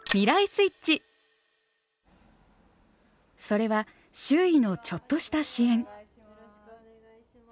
それは周囲のちょっとした支援。